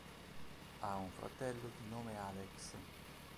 Ha un fratello di nome Alex.